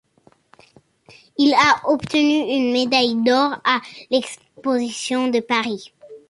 Il a obtenu une médaille d'or à l'exposition de Paris.